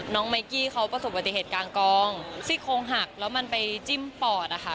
ไมกี้เขาประสบปฏิเหตุกลางกองซี่โครงหักแล้วมันไปจิ้มปอดอะค่ะ